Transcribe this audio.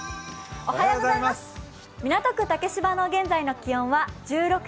港区竹芝の現在の気温は１６．１度。